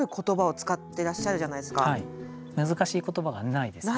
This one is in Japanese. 難しい言葉がないですよね。